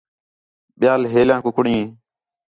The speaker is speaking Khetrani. ٻِیال ہیلیاں کُکڑیں